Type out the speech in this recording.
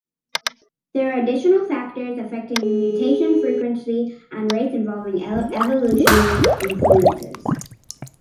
There are additional factors affecting mutation frequency and rates involving evolutionary influences.